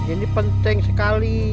ini penting sekali